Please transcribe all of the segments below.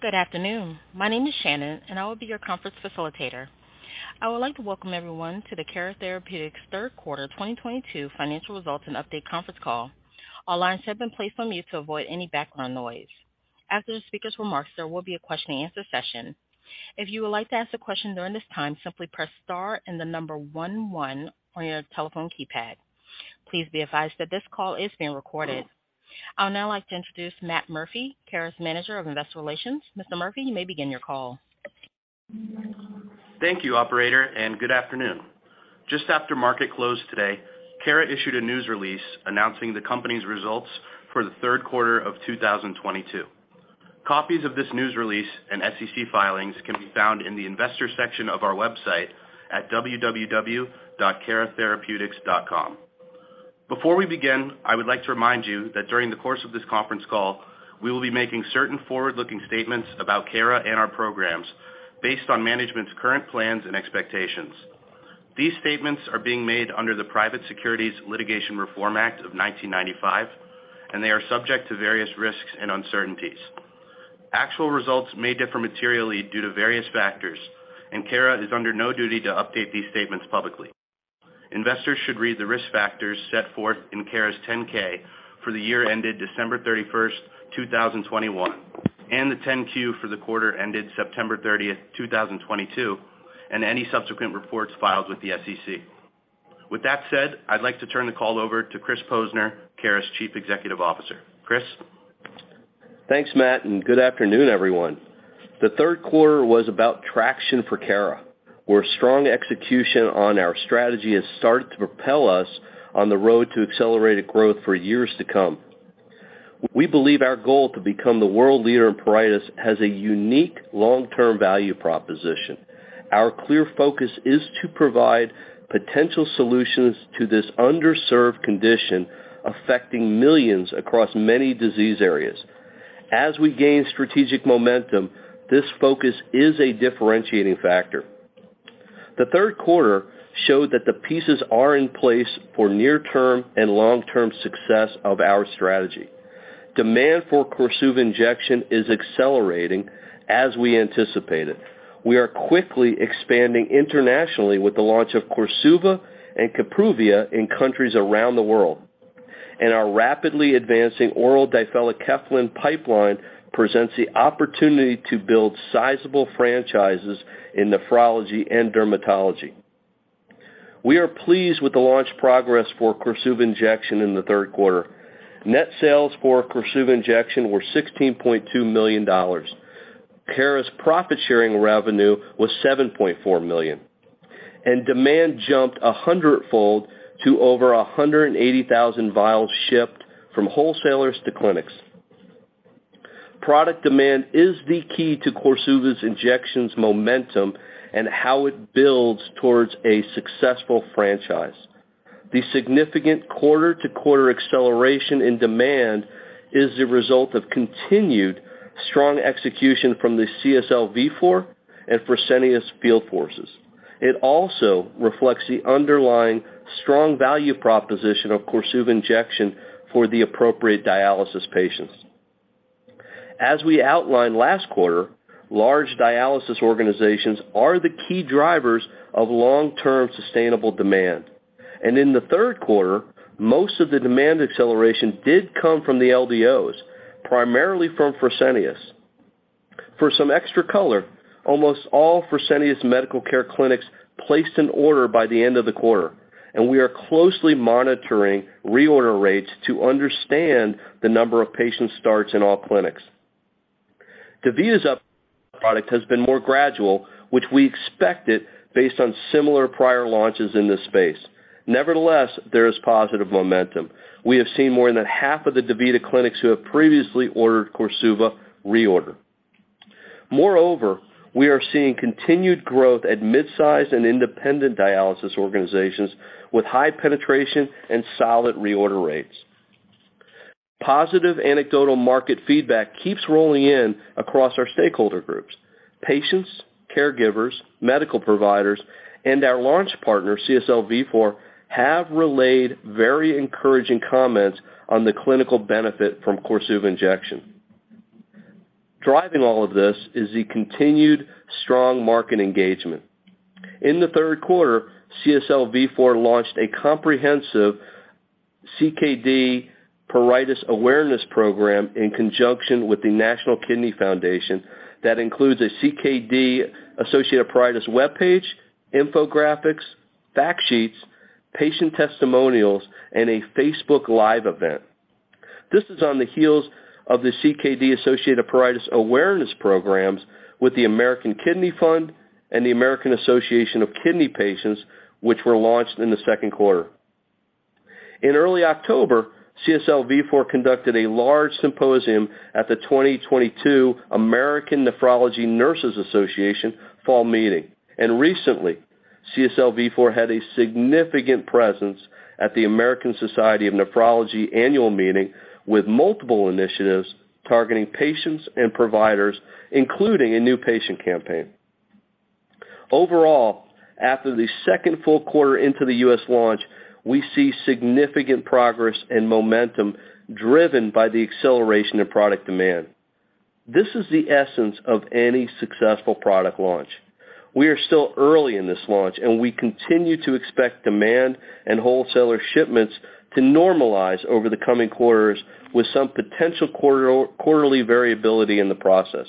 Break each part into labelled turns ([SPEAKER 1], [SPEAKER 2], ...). [SPEAKER 1] Good afternoon. My name is Shannon, and I will be your conference facilitator. I would like to welcome everyone to the Cara Therapeutics Third Quarter 2022 Financial Results and Update conference call. All lines have been placed on mute to avoid any background noise. After the speaker's remarks, there will be a question-and-answer session. If you would like to ask a question during this time, simply press star and the number one one on your telephone keypad. Please be advised that this call is being recorded. I would now like to introduce Matt Murphy, Cara's Manager of Investor Relations. Mr. Murphy, you may begin your call.
[SPEAKER 2] Thank you, operator, and good afternoon. Just after market close today, Cara issued a news release announcing the company's results for the third quarter of 2022. Copies of this news release and SEC filings can be found in the investor section of our website at www.caratherapeutics.com. Before we begin, I would like to remind you that during the course of this conference call, we will be making certain forward-looking statements about Cara and our programs based on management's current plans and expectations. These statements are being made under the Private Securities Litigation Reform Act of 1995, and they are subject to various risks and uncertainties. Actual results may differ materially due to various factors, and Cara is under no duty to update these statements publicly. Investors should read the risk factors set forth in Cara's 10-K for the year ended December 31, 2021, and the 10-Q for the quarter ended September 30, 2022, and any subsequent reports filed with the SEC. With that said, I'd like to turn the call over to Chris Posner, Cara's Chief Executive Officer. Chris?
[SPEAKER 3] Thanks, Matt, and good afternoon, everyone. The third quarter was about traction for Cara, where strong execution on our strategy has started to propel us on the road to accelerated growth for years to come. We believe our goal to become the world leader in Pruritus has a unique long-term value proposition. Our clear focus is to provide potential solutions to this underserved condition affecting millions across many disease areas. As we gain strategic momentum, this focus is a differentiating factor. The third quarter showed that the pieces are in place for near-term and long-term success of our strategy. Demand for KORSUVA injection is accelerating as we anticipated. We are quickly expanding internationally with the launch of KORSUVA and KAPRUVIA in countries around the world. Our rapidly advancing oral difelikefalin pipeline presents the opportunity to build sizable franchises in nephrology and dermatology. We are pleased with the launch progress for KORSUVA injection in the third quarter. Net sales for KORSUVA injection were $16.2 million. Cara's profit-sharing revenue was $7.4 million. Demand jumped 100-fold to over 180,000 vials shipped from wholesalers to clinics. Product demand is the key to KORSUVA's injection momentum and how it builds towards a successful franchise. The significant quarter-to-quarter acceleration in demand is the result of continued strong execution from the CSL Vifor and Fresenius field forces. It also reflects the underlying strong value proposition of KORSUVA injection for the appropriate dialysis patients. As we outlined last quarter, large dialysis organizations are the key drivers of long-term sustainable demand. In the third quarter, most of the demand acceleration did come from the LDOs, primarily from Fresenius. For some extra color, almost all Fresenius Medical Care clinics placed an order by the end of the quarter, and we are closely monitoring reorder rates to understand the number of patients starts in all clinics. DaVita's product has been more gradual, which we expected based on similar prior launches in this space. Nevertheless, there is positive momentum. We have seen more than half of the DaVita clinics who have previously ordered KORSUVA reorder. Moreover, we are seeing continued growth at midsize and independent dialysis organizations with high penetration and solid reorder rates. Positive anecdotal market feedback keeps rolling in across our stakeholder groups. Patients, caregivers, medical providers, and our launch partner, CSL Vifor, have relayed very encouraging comments on the clinical benefit from KORSUVA injection. Driving all of this is the continued strong market engagement. In the third quarter, CSL Vifor launched a comprehensive CKD Pruritus awareness program in conjunction with the National Kidney Foundation that includes a CKD associated Pruritus webpage, infographics, fact sheets, patient testimonials, and a Facebook Live event. This is on the heels of the CKD associated Pruritus awareness programs with the American Kidney Fund and the American Association of Kidney Patients, which were launched in the second quarter. In early October, CSL Vifor conducted a large symposium at the 2022 American Nephrology Nurses Association fall meeting. Recently, CSL Vifor had a significant presence at the American Society of Nephrology annual meeting with multiple initiatives targeting patients and providers, including a new patient campaign. Overall, after the second full quarter into the U.S. launch, we see significant progress and momentum driven by the acceleration of product demand. This is the essence of any successful product launch. We are still early in this launch, and we continue to expect demand and wholesaler shipments to normalize over the coming quarters with some potential quarter-over-quarter variability in the process.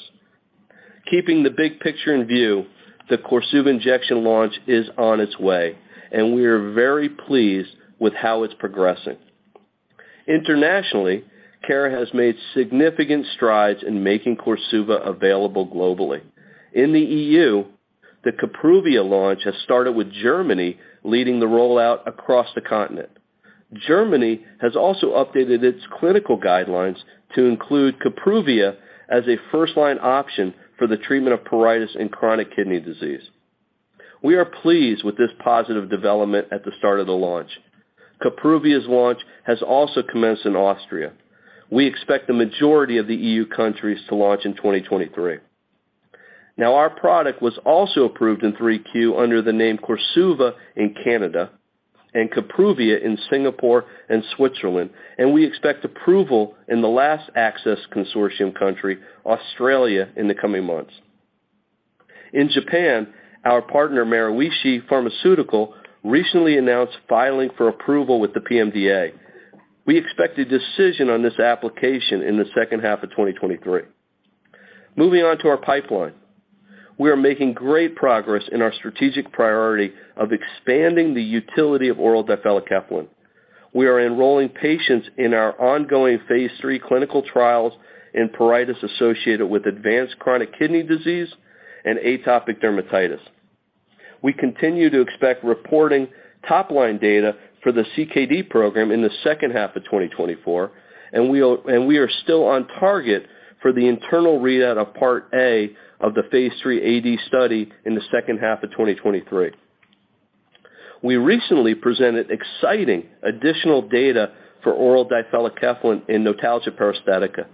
[SPEAKER 3] Keeping the big picture in view, the KORSUVA injection launch is on its way, and we are very pleased with how it's progressing. Internationally, Cara Therapeutics has made significant strides in making KORSUVA available globally. In the EU, the KAPRUVIA launch has started with Germany leading the rollout across the continent. Germany has also updated its clinical guidelines to include KAPRUVIA as a first-line option for the treatment of Pruritus in chronic kidney disease. We are pleased with this positive development at the start of the launch. KAPRUVIA's launch has also commenced in Austria. We expect the majority of the EU countries to launch in 2023. Our product was also approved in Q3 under the name KORSUVA in Canada and KAPRUVIA in Singapore and Switzerland, and we expect approval in the last Access Consortium country, Australia, in the coming months. In Japan, our partner, Maruishi Pharmaceutical, recently announced filing for approval with the PMDA. We expect a decision on this application in the second half of 2023. Moving on to our pipeline. We are making great progress in our strategic priority of expanding the utility of oral difelikefalin. We are enrolling patients in our ongoing phase III clinical trials in Pruritus associated with advanced chronic kidney disease and atopic dermatitis. We continue to expect reporting top-line data for the CKD program in the second half of 2024, and we are still on target for the internal readout of Part A of the phase III AD study in the second half of 2023. We recently presented exciting additional data for oral difelikefalin in notalgia paresthetica.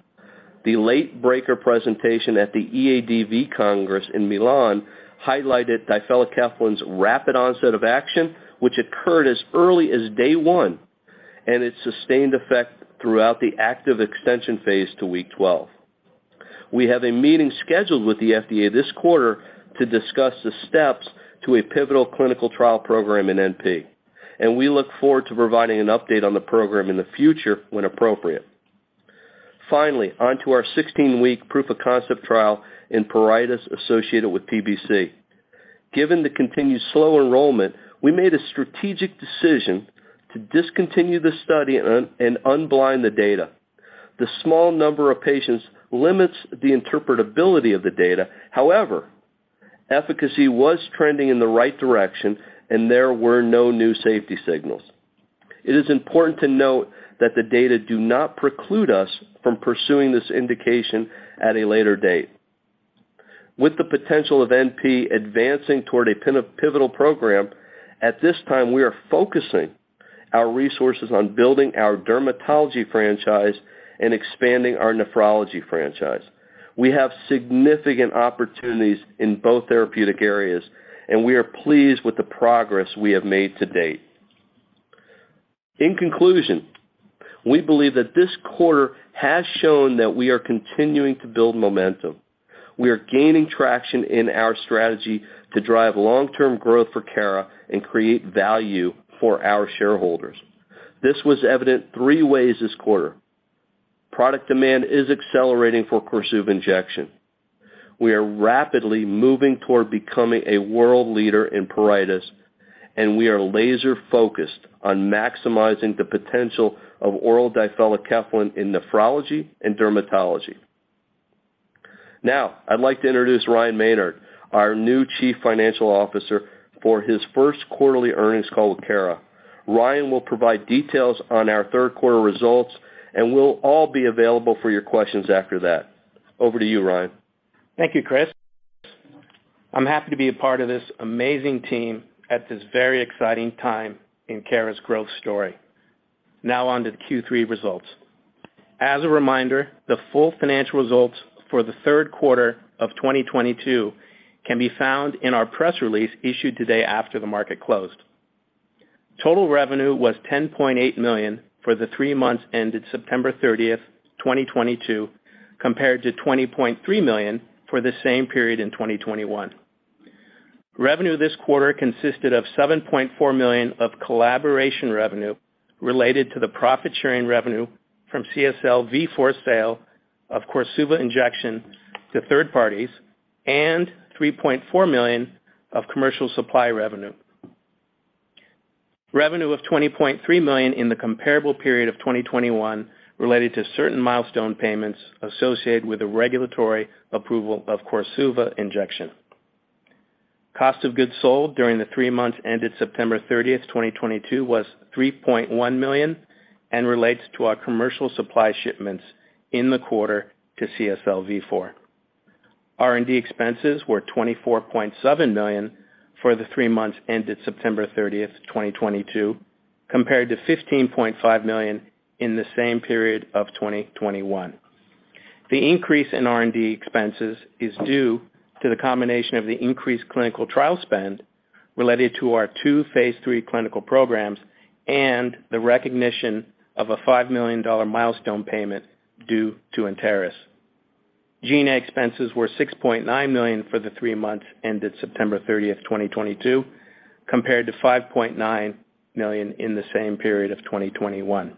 [SPEAKER 3] The late-breaker presentation at the EADV Congress in Milan highlighted difelikefalin's rapid onset of action, which occurred as early as day one, and its sustained effect throughout the active extension phase to week 12. We have a meeting scheduled with the FDA this quarter to discuss the steps to a pivotal clinical trial program in NP, and we look forward to providing an update on the program in the future when appropriate. Finally, on to our 16-week proof of concept trial in Pruritus associated with PBC. Given the continued slow enrollment, we made a strategic decision to discontinue the study and unblind the data. The small number of patients limits the interpretability of the data. However, efficacy was trending in the right direction, and there were no new safety signals. It is important to note that the data do not preclude us from pursuing this indication at a later date. With the potential of NP advancing toward a pivotal program, at this time, we are focusing our resources on building our dermatology franchise and expanding our nephrology franchise. We have significant opportunities in both therapeutic areas, and we are pleased with the progress we have made to date. In conclusion, we believe that this quarter has shown that we are continuing to build momentum. We are gaining traction in our strategy to drive long-term growth for Cara and create value for our shareholders. This was evident three ways this quarter. Product demand is accelerating for KORSUVA injection. We are rapidly moving toward becoming a world leader in Pruritus, and we are laser-focused on maximizing the potential of oral difelikefalin in nephrology and dermatology. Now, I'd like to introduce Ryan Maynard, our new Chief Financial Officer, for his first quarterly earnings call with Cara. Ryan will provide details on our third quarter results, and we'll all be available for your questions after that. Over to you, Ryan.
[SPEAKER 4] Thank you, Chris. I'm happy to be a part of this amazing team at this very exciting time in Cara's growth story. Now on to the Q3 results. As a reminder, the full financial results for the third quarter of 2022 can be found in our press release issued today after the market closed. Total revenue was $10.8 million for the three months ended September 30, 2022, compared to $20.3 million for the same period in 2021. Revenue this quarter consisted of $7.4 million of collaboration revenue related to the profit-sharing revenue from CSL Vifor's sale of KORSUVA injection to third parties and $3.4 million of commercial supply revenue. Revenue of $20.3 million in the comparable period of 2021 related to certain milestone payments associated with the regulatory approval of KORSUVA injection. Cost of goods sold during the three months ended September 30, 2022 was $3.1 million and relates to our commercial supply shipments in the quarter to CSL Vifor. R&D expenses were $24.7 million for the three months ended September 30, 2022, compared to $15.5 million in the same period of 2021. The increase in R&D expenses is due to the combination of the increased clinical trial spend related to our two phase III clinical programs and the recognition of a $5 million milestone payment due to Enteris. G&A expenses were $6.9 million for the three months ended September 30, 2022, compared to $5.9 million in the same period of 2021.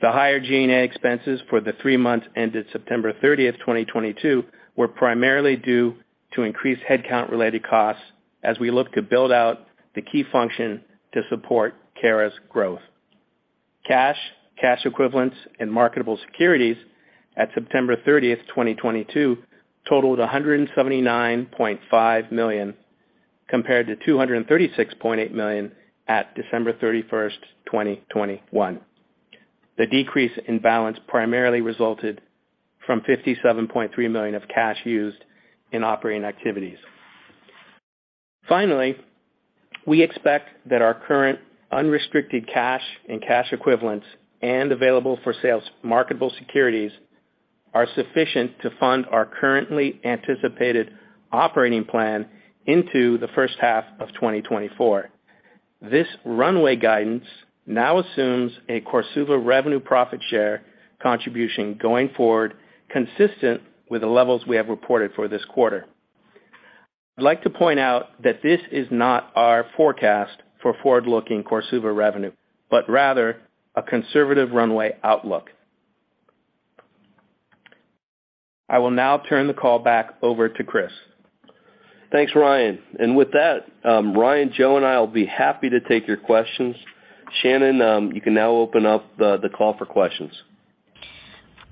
[SPEAKER 4] The higher G&A expenses for the three months ended September 30, 2022, were primarily due to increased headcount-related costs as we look to build out the key function to support Cara's growth. Cash and cash equivalents, and marketable securities at September 30, 2022, totaled $179.5 million, compared to $236.8 million on December 31, 2021. The decrease in balance primarily resulted from $57.3 million of cash used in operating activities. Finally, we expect that our current unrestricted cash and cash equivalents and available-for-sale marketable securities are sufficient to fund our currently anticipated operating plan into the first half of 2024. This runway guidance now assumes a KORSUVA revenue profit share contribution going forward, consistent with the levels we have reported for this quarter. I'd like to point out that this is not our forecast for forward-looking KORSUVA revenue, but rather a conservative runway outlook. I will now turn the call back over to Chris.
[SPEAKER 3] Thanks, Ryan. With that, Ryan, Jo, and I will be happy to take your questions. Shannon, you can now open up the call for questions.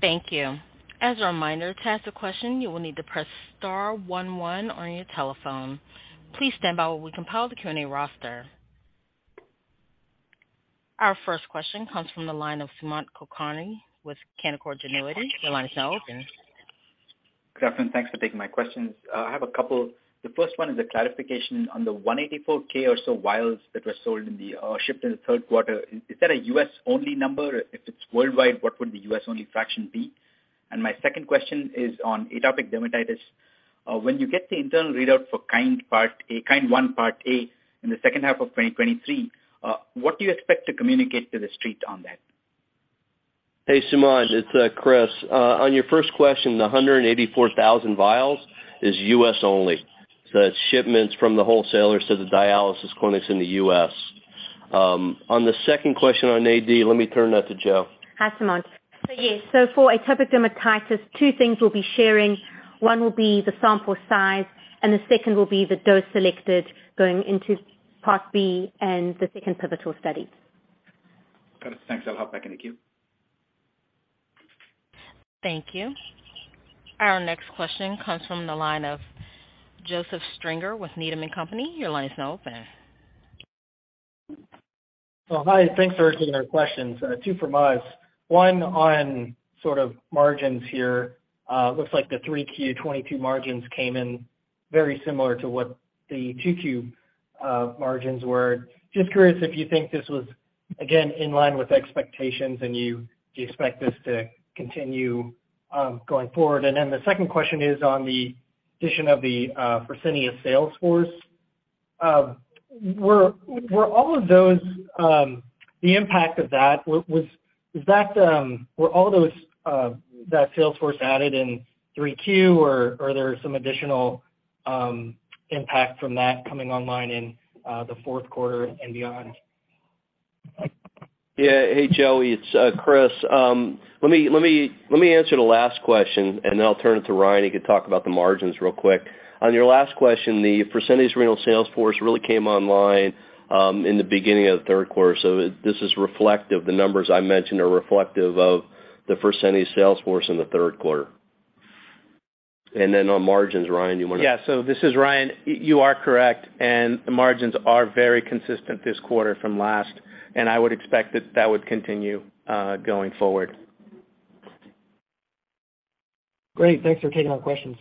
[SPEAKER 1] Thank you. As a reminder, to ask a question, you will need to press star one one on your telephone. Please stand by while we compile the Q&A roster. Our first question comes from the line of Sumant Kulkarni with Canaccord Genuity. Your line is now open.
[SPEAKER 5] Good afternoon, thanks for taking my questions. I have a couple. The first one is a clarification on the 184,000 or so vials that were shipped in the third quarter. Is that a U.S. only number? If it's worldwide, what would the U.S. only fraction be? My second question is on atopic dermatitis. When you get the internal readout for KIND-1 Part A in the second half of 2023, what do you expect to communicate to The Street on that?
[SPEAKER 3] Hey, Sumant, it's Chris. On your first question, the 184,000 vials is U.S. only. That's shipments from the wholesalers to the dialysis clinics in the U.S. On the second question on AD, let me turn that to Jo.
[SPEAKER 6] Hi, Sumant. Yes, for atopic dermatitis, two things we'll be sharing. One will be the sample size, and the second will be the dose selected going into Part B and the second pivotal study.
[SPEAKER 5] Got it. Thanks, I'll hop back in the queue.
[SPEAKER 1] Thank you. Our next question comes from the line of Joseph Stringer with Needham & Company. Your line is now open.
[SPEAKER 7] Well, hi, thanks for taking our questions. Two from us. One on sort of margins here. Looks like the 3Q 2022 margins came in very similar to what the 2Q margins were. Just curious if you think this was again in line with expectations and do you expect this to continue going forward? Then the second question is on the addition of the Fresenius sales force. Were all of those that sales force added in 3Q, or are there some additional impact from that coming online in the fourth quarter and beyond?
[SPEAKER 3] Yeah. Hey, Jo, it's Chris. Let me answer the last question and then I'll turn it to Ryan. He can talk about the margins real quick. On your last question, the Fresenius Renal sales force really came online in the beginning of the third quarter. This is reflective. The numbers I mentioned are reflective of the Fresenius sales force in the third quarter. On margins, Ryan, do you wanna-
[SPEAKER 4] Ya so this is Ryan. You are correct, and the margins are very consistent this quarter from last, and I would expect that would continue, going forward.
[SPEAKER 7] Great. Thanks for taking my questions.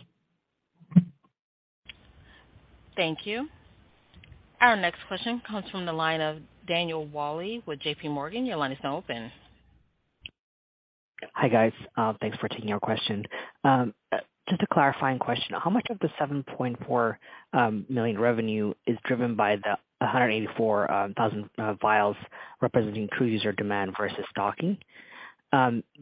[SPEAKER 1] Thank you. Our next question comes from the line of Daniel Wolle with J.P. Morgan. Your line is now open.
[SPEAKER 8] Hi, guys. Thanks for taking our question. Just a clarifying question. How much of the $7.4 million revenue is driven by the 184,000 vials representing true user demand versus stocking?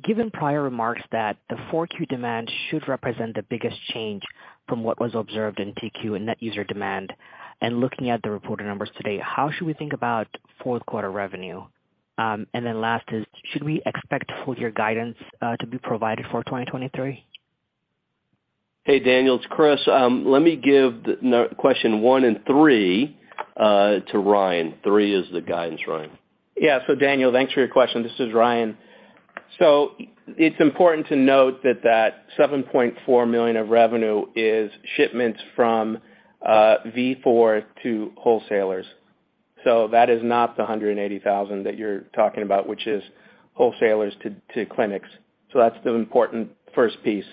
[SPEAKER 8] Given prior remarks that the 4Q demand should represent the biggest change from what was observed in 2Q in net user demand, and looking at the reported numbers today, how should we think about fourth quarter revenue? Then last, should we expect full year guidance to be provided for 2023?
[SPEAKER 3] Hey, Daniel, it's Chris. Let me give question one and three to Ryan. Three is the guidance, Ryan.
[SPEAKER 4] Yeah. So Daniel, thanks for your question. This is Ryan. It's important to note that that $7.4 million of revenue is shipments from Vifor to wholesalers. That is not the $180,000 that you're talking about, which is wholesalers to clinics. That's the important first piece.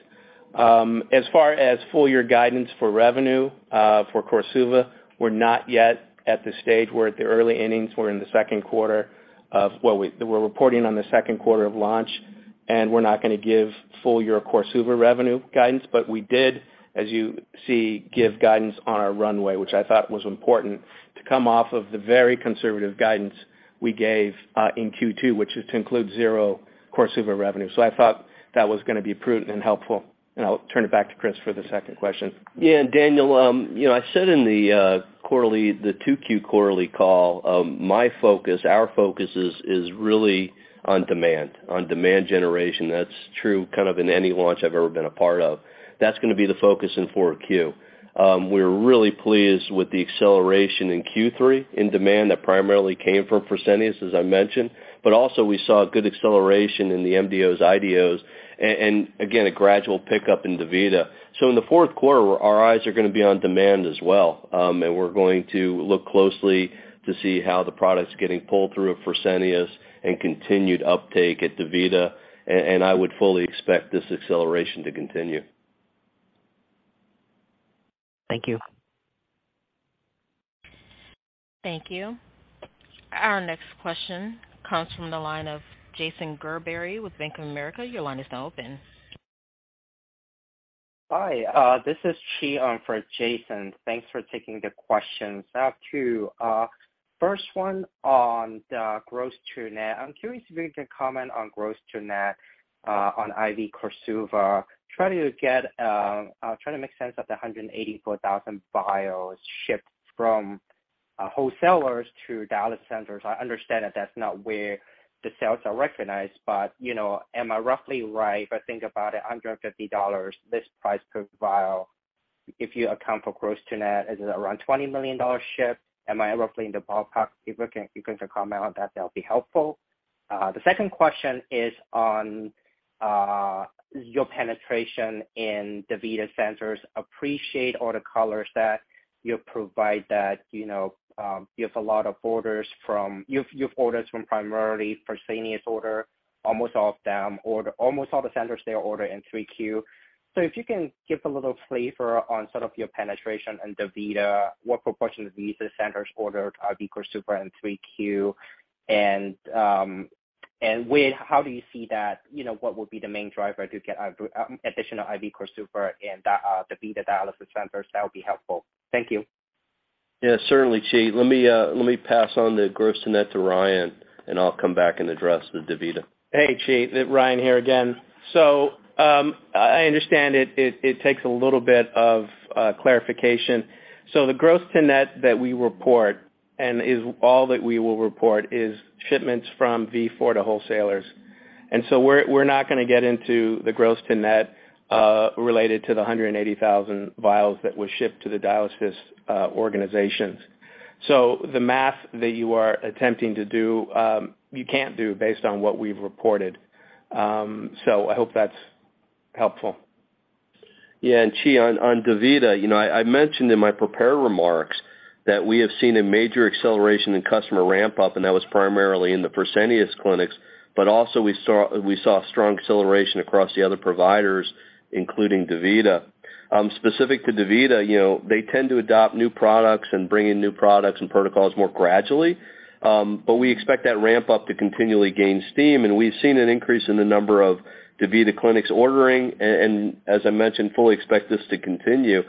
[SPEAKER 4] As far as full year guidance for revenue for KORSUVA, we're not yet at the stage. We're at the early innings. We're in the second quarter of what we're reporting on the second quarter of launch, and we're not gonna give full year KORSUVA revenue guidance. We did, as you see, give guidance on our runway, which I thought was important to come off of the very conservative guidance we gave in Q2, which is to include zero KORSUVA revenue. I thought that was gonna be prudent and helpful. I'll turn it back to Chris for the second question.
[SPEAKER 3] Yeah, Daniel, you know, I said in the quarterly, the 2Q quarterly call, my focus, our focus is really on demand, on demand generation. That's true kind of in any launch I've ever been a part of. That's gonna be the focus in 4Q. We're really pleased with the acceleration in Q3 in demand that primarily came from Fresenius, as I mentioned, but also we saw a good acceleration in the MDOs, IDOs and again, a gradual pickup in DaVita. In the fourth quarter, our eyes are gonna be on demand as well. We're going to look closely to see how the product's getting pulled through at Fresenius and continued uptake at DaVita. I would fully expect this acceleration to continue.
[SPEAKER 8] Thank you.
[SPEAKER 1] Thank you. Our next question comes from the line of Jason Gerberry with Bank of America. Your line is now open.
[SPEAKER 9] Hi, this is Chi in for Jason. Thanks for taking the questions. I have two. First one on the gross-to-net. I'm curious if you can comment on gross-to-net on IV KORSUVA. Trying to make sense of the 184,000 vials shipped from wholesalers to dialysis centers. I understand that that's not where the sales are recognized, but you know, am I roughly right if I think about a $150 list price per vial if you account for gross-to-net, is it around $20 million dollar shipment? Am I roughly in the ballpark? If you can comment on that'll be helpful. The second question is on your penetration in DaVita centers. Appreciate all the colors that you provide that, you know, you have a lot of orders from primarily Fresenius. Almost all the centers there order in 3Q. If you can give a little flavor on sort of your penetration in DaVita, what proportion of DaVita centers ordered IV KORSUVA in 3Q, and how do you see that, you know, what would be the main driver to get additional IV KORSUVA in DaVita dialysis centers? That would be helpful. Thank you.
[SPEAKER 3] Yeah, certainly, Chi. Let me pass on the gross-to-net to Ryan, and I'll come back and address the DaVita.
[SPEAKER 4] Hey, Chi. Ryan here again. I understand it takes a little bit of clarification. The gross-to-net that we report and is all that we will report is shipments from Vifor to wholesalers. We're not gonna get into the gross-to-net related to the 180,000 vials that were shipped to the dialysis organizations. The math that you are attempting to do, you can't do based on what we've reported. I hope that's helpful.
[SPEAKER 3] Yeah. Chi, on DaVita, you know, I mentioned in my prepared remarks that we have seen a major acceleration in customer ramp-up, and that was primarily in the Fresenius clinics. Also we saw strong acceleration across the other providers, including DaVita. Specific to DaVita, you know, they tend to adopt new products and bring in new products and protocols more gradually. We expect that ramp-up to continually gain steam, and we've seen an increase in the number of DaVita clinics ordering and as I mentioned, fully expect this to continue.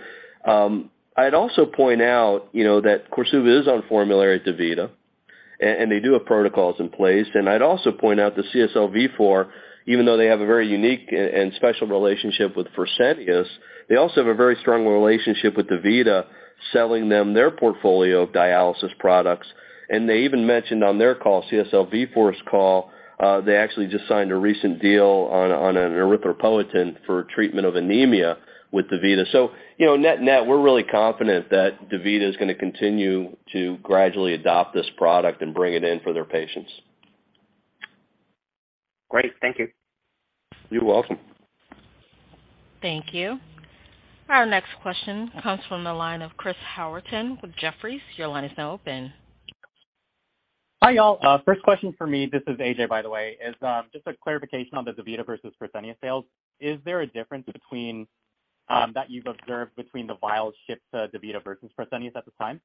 [SPEAKER 3] I'd also point out, you know, that KORSUVA is on formulary at DaVita, and they do have protocols in place. I'd also point out that CSL Vifor, even though they have a very unique and special relationship with Fresenius, they also have a very strong relationship with DaVita, selling them their portfolio of dialysis products. They even mentioned on their call, CSL Vifor's call, they actually just signed a recent deal on an erythropoietin for treatment of anemia with DaVita. You know, net-net, we're really confident that DaVita is gonna continue to gradually adopt this product and bring it in for their patients.
[SPEAKER 9] Great. Thank you.
[SPEAKER 3] You're welcome.
[SPEAKER 1] Thank you. Our next question comes from the line of Chris Howerton with Jefferies. Your line is now open.
[SPEAKER 10] Hi, y'all. First question for me, this is A.J., by the way, is just a clarification on the DaVita versus Fresenius sales. Is there a difference between that you've observed between the vials shipped to DaVita versus Fresenius at the time?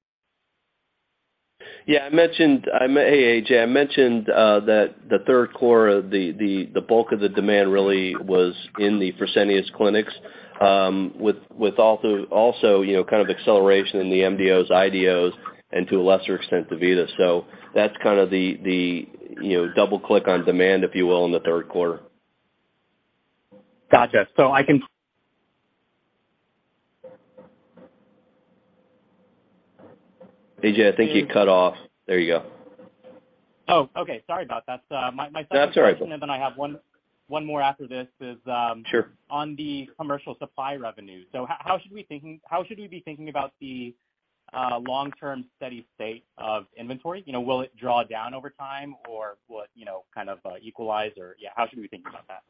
[SPEAKER 3] Yeah. Hey, A.J.. I mentioned that the third quarter, the bulk of the demand really was in the Fresenius clinics, with also you know kind of acceleration in the MDOs, IDOs and to a lesser extent, DaVita. That's kind of the you know double click on demand, if you will, in the third quarter.
[SPEAKER 10] Gotcha.
[SPEAKER 3] A.J., I think you cut off. There you go.
[SPEAKER 10] Oh, okay. Sorry about that.
[SPEAKER 3] That's all right.
[SPEAKER 10] I have one more after this.
[SPEAKER 3] Sure.
[SPEAKER 10] on the commercial supply revenue. How should we be thinking about the long-term steady state of inventory? You know, will it draw down over time or will it, you know, kind of, equalize or, yeah, how should we think about that?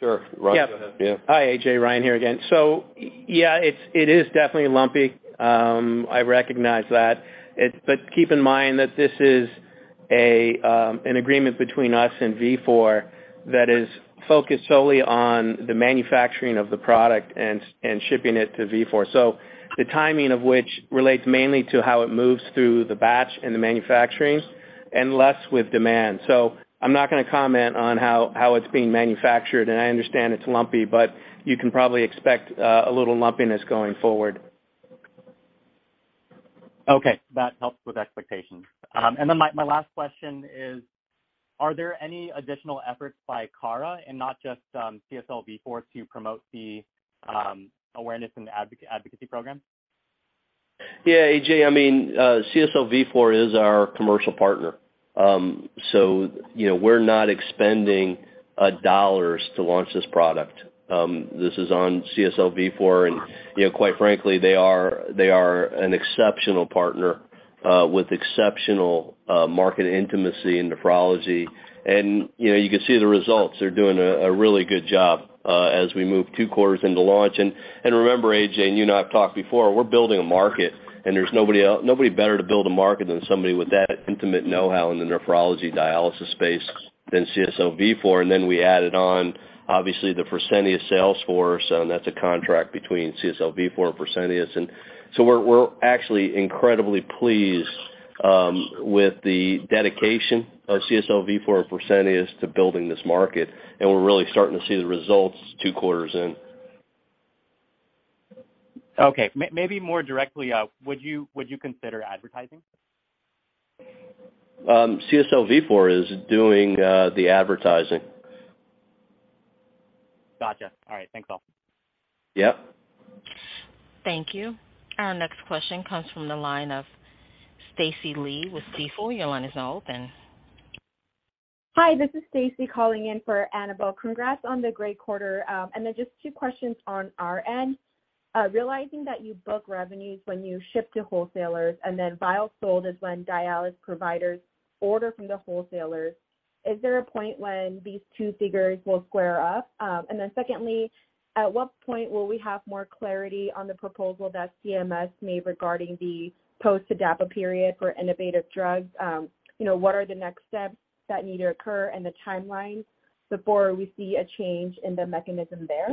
[SPEAKER 3] Sure. Ryan, go ahead.
[SPEAKER 4] Yeah. Hi, A.J., Ryan here again. Yeah, it is definitely lumpy. I recognize that. Keep in mind that this is.an agreement between us and Vifor that is focused solely on the manufacturing of the product and shipping it to Vifor. The timing of which relates mainly to how it moves through the batch and the manufacturing and less with demand. I'm not gonna comment on how it's being manufactured, and I understand it's lumpy, but you can probably expect a little lumpiness going forward.
[SPEAKER 10] Okay. That helps with expectations. My last question is, are there any additional efforts by Cara and not just CSL Vifor to promote the awareness and advocacy program?
[SPEAKER 3] Yeah, A.J., I mean, CSL Vifor is our commercial partner. So, you know, we're not expending dollars to launch this product. This is on CSL Vifor and, you know, quite frankly, they are an exceptional partner with exceptional market intimacy in nephrology. You know, you can see the results. They're doing a really good job as we move two quarters into launch. Remember, A.J., and you and I have talked before, we're building a market, and there's nobody better to build a market than somebody with that intimate know-how in the nephrology dialysis space than CSL Vifor. Then we added on, obviously, the Fresenius sales force, and that's a contract between CSL Vifor and Fresenius. We're actually incredibly pleased with the dedication of CSL Vifor and Fresenius to building this market, and we're really starting to see the results two quarters in.
[SPEAKER 10] Okay. Maybe more directly, would you consider advertising?
[SPEAKER 3] CSL Vifor is doing the advertising.
[SPEAKER 10] Gotcha. All right. Thanks all.
[SPEAKER 3] Yep.
[SPEAKER 1] Thank you. Our next question comes from the line of Staci Lee with Stifel. Your line is now open.
[SPEAKER 11] Hi, this is Staci calling in for Annabel. Congrats on the great quarter. Just two questions on our end. Realizing that you book revenues when you ship to wholesalers and then vials sold is when dialysis providers order from the wholesalers, is there a point when these two figures will square up? Secondly, at what point will we have more clarity on the proposal that CMS made regarding the post-TDAPA period for innovative drugs? You know, what are the next steps that need to occur and the timeline before we see a change in the mechanism there?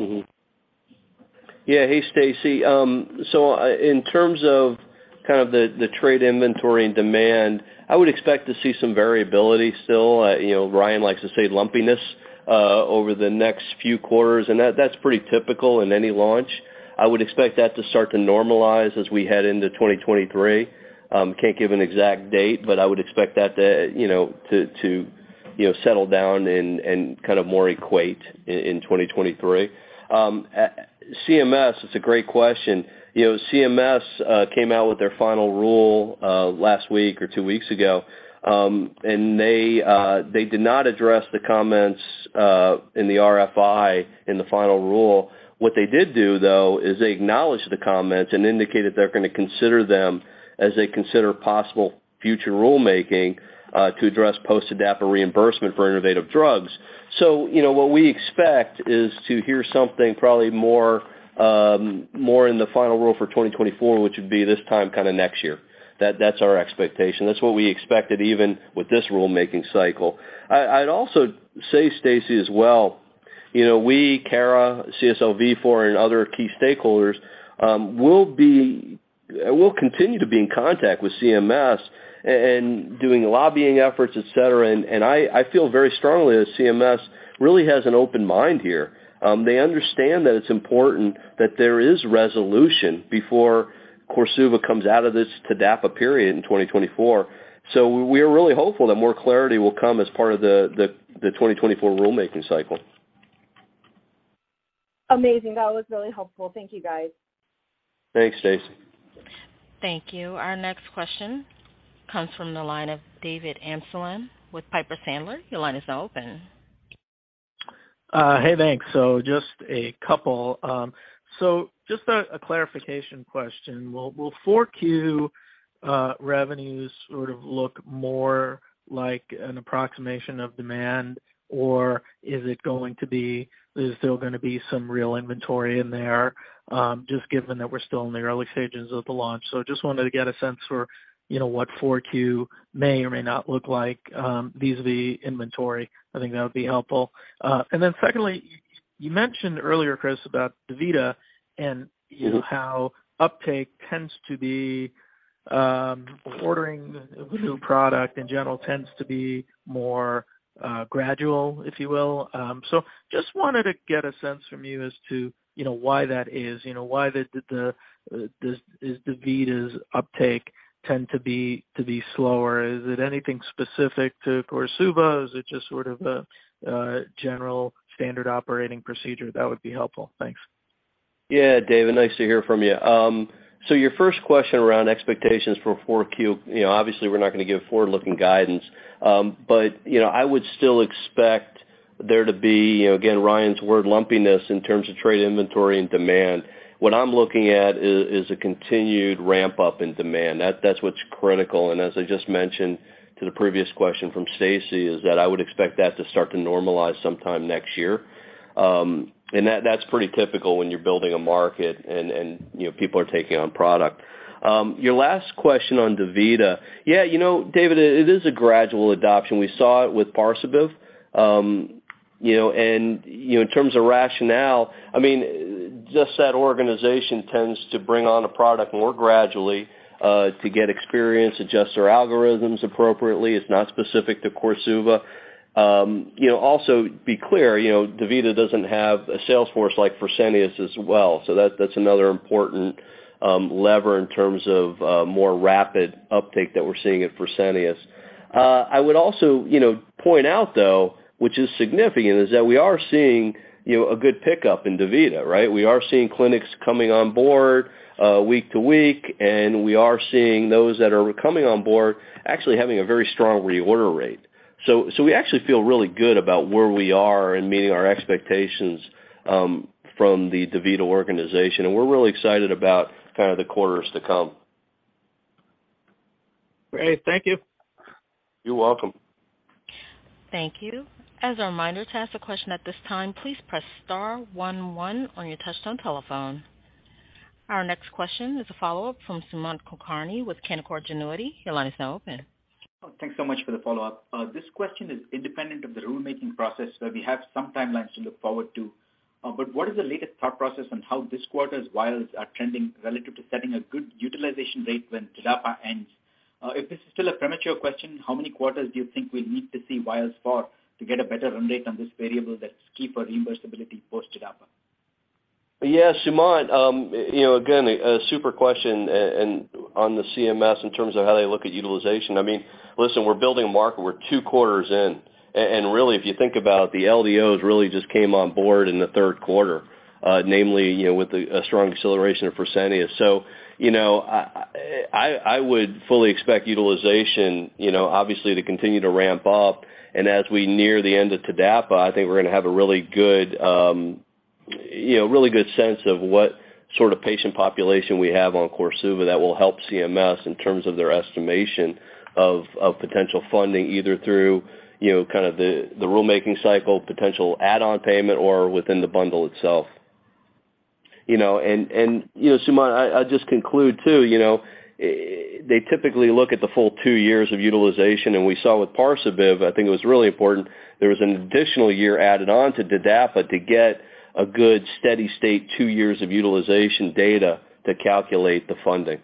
[SPEAKER 3] Yeah. Hey, Staci. So in terms of kind of the trade inventory and demand, I would expect to see some variability still. You know, Ryan likes to say lumpiness over the next few quarters, and that's pretty typical in any launch. I would expect that to start to normalize as we head into 2023. Can't give an exact date, but I would expect that to you know settle down and kind of more equate in 2023. CMS, it's a great question. You know, CMS came out with their final rule last week or two weeks ago, and they did not address the comments in the RFI in the final rule. What they did do, though, is they acknowledged the comments and indicated they're gonna consider them as they consider possible future rulemaking to address post-TDAPA reimbursement for innovative drugs. So, you know, what we expect is to hear something probably more, more in the final rule for 2024, which would be this time kind of next year. That's our expectation. That's what we expected even with this rulemaking cycle. I'd also say, Staci, as well, you know, we, Cara, CSL Vifor and other key stakeholders, will continue to be in contact with CMS and doing lobbying efforts, et cetera. I feel very strongly that CMS really has an open mind here. They understand that it's important that there is resolution before KORSUVA comes out of this TDAPA period in 2024.We're really hopeful that more clarity will come as part of the 2024 rulemaking cycle.
[SPEAKER 11] Amazing. That was really helpful. Thank you, guys.
[SPEAKER 3] Thanks, Staci.
[SPEAKER 1] Thank you. Our next question comes from the line of David Amsellem with Piper Sandler. Your line is now open.
[SPEAKER 12] Hey, thanks. Just a couple. Just a clarification question. Will 4Q revenues sort of look more like an approximation of demand, or is it going to be, is there still gonna be some real inventory in there, just given that we're still in the early stages of the launch? Just wanted to get a sense for, you know, what 4Q may or may not look like, vis-a-vis inventory. I think that would be helpful. Secondly, you mentioned earlier, Chris, about DaVita and, you know, how uptake tends to be, ordering a new product in general tends to be more gradual, if you will. Just wanted to get a sense from you as to, you know, why that is. You know, why is DaVita's uptake tend to be slower. Is it anything specific to KORSUVA? Is it just sort of a general standard operating procedure? That would be helpful. Thanks.
[SPEAKER 3] Yeah, David. Nice to hear from you. Your first question around expectations for Q4, you know, obviously we're not gonna give forward-looking guidance. You know, I would still expect there to be, you know, again, Ryan's word, lumpiness in terms of trade inventory and demand. What I'm looking at is a continued ramp-up in demand. That's what's critical. As I just mentioned to the previous question from Staci, is that I would expect that to start to normalize sometime next year. That's pretty typical when you're building a market and you know, people are taking on product. Your last question on DaVita. Yeah, you know, David, it is a gradual adoption. We saw it with Parsabiv. You know, in terms of rationale, I mean, just that organization tends to bring on a product more gradually, to get experience, adjust their algorithms appropriately. It's not specific to KORSUVA. Also, to be clear, you know, DaVita doesn't have a sales force like Fresenius as well, so that's another important lever in terms of more rapid uptake that we're seeing at Fresenius. I would also point out though, which is significant, is that we are seeing a good pickup in DaVita, right? We are seeing clinics coming on board week to week, and we are seeing those that are coming on board actually having a very strong reorder rate. We actually feel really good about where we are in meeting our expectations from the DaVita organization, and we're really excited about kind of the quarters to come.
[SPEAKER 12] Great. Thank you.
[SPEAKER 3] You're welcome.
[SPEAKER 1] Thank you. As a reminder, to ask a question at this time, please press star one one on your touchtone telephone. Our next question is a follow-up from Sumant Kulkarni with Canaccord Genuity. Your line is now open.
[SPEAKER 5] Oh, thanks so much for the follow-up. This question is independent of the rulemaking process where we have some timelines to look forward to. What is the latest thought process on how this quarter's vials are trending relative to setting a good utilization rate when TDAPA ends? If this is still a premature question, how many quarters do you think we'll need to see vials for to get a better run rate on this variable that's key for reimbursability post TDAPA?
[SPEAKER 3] Yeah, Sumant, you know, again, a super question and on the CMS in terms of how they look at utilization. I mean, listen, we're building market. We're two quarters in. Really, if you think about the LDOs really just came on board in the third quarter, namely, you know, with a strong acceleration of Fresenius. You know, I would fully expect utilization, you know, obviously to continue to ramp up. As we near the end of TDAPA, I think we're gonna have a really good, you know, really good sense of what sort of patient population we have on KORSUVA that will help CMS in terms of their estimation of potential funding, either through, you know, kind of the rulemaking cycle, potential add-on payment, or within the bundle itself. You know, and you know, Sumant, I'll just conclude too. They typically look at the full two years of utilization, and we saw with Parsabiv, I think it was really important there was an additional year added on to TDAPA to get a good, steady state two years of utilization data to calculate the funding.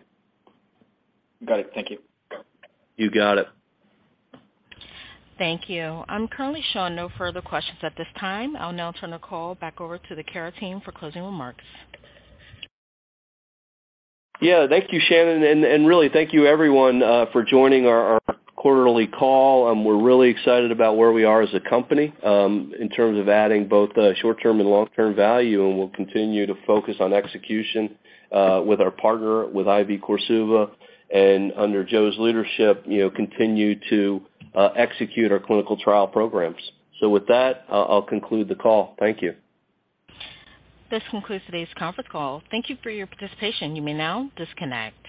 [SPEAKER 5] Got it. Thank you.
[SPEAKER 3] You got it.
[SPEAKER 1] Thank you. I'm currently showing no further questions at this time. I'll now turn the call back over to the Cara team for closing remarks.
[SPEAKER 3] Yeah. Thank you, Shannon. Really thank you everyone for joining our quarterly call. We're really excited about where we are as a company in terms of adding both short-term and long-term value, and we'll continue to focus on execution with our partner, with IV KORSUVA, and under Jo's leadership, you know, continue to execute our clinical trial programs. With that, I'll conclude the call. Thank you.
[SPEAKER 1] This concludes today's conference call. Thank you for your participation. You may now disconnect.